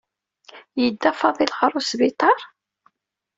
Yedda Faḍil ɣer usbiṭar?